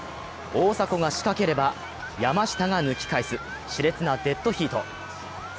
大迫が仕掛ければ、山下が抜き返すしれつなデッドヒート。